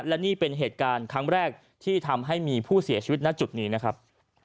และนี่เป็นเหตุการณ์ครั้งแรกที่ทำให้มีผู้เสียชีวิตณจุดนี้นะครับ